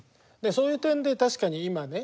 そういう点で確かに今ね